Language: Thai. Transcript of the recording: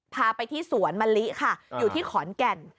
พาไปที่สวนมะลิค่ะอยู่ที่ขอนแก่น